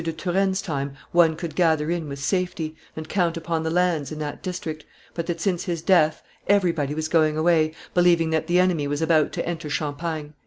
de Turenne's time one could gather in with safety, and count upon the lands in that district, but that, since his death, everybody was going away, believing that the enemy was about to enter Champagne."